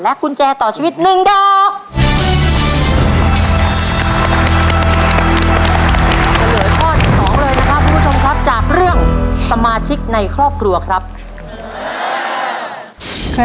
และกุญแจต่อชีวิตหนึ่งดอก